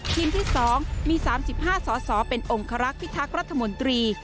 ทีมที่สองมี๓๕สสเป็นองค์คลักษณ์พิทักษ์รัฐมนตรี